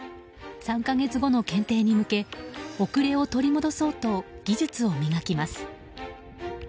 ３か月後の検定に向け遅れを取り戻そうと技術を磨きます。